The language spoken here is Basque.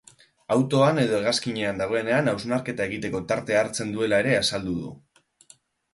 Autoan edo hegazkinean dagoenean, hausnarketa egiteko tartea hartzen duela ere azaldu du.